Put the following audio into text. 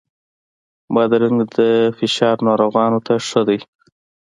بادرنګ د فشار ناروغانو ته ښه دی.